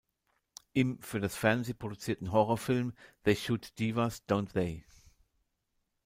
Im für das Fernsehen produzierten Horrorfilm "They Shoot Divas, Don’t They?